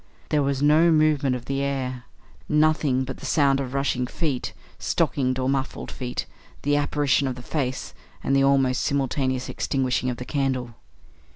There was no movement of the air; nothing but the sound of rushing feet stockinged or muffled feet; the apparition of the face; and the almost simultaneous extinguishing of the candle.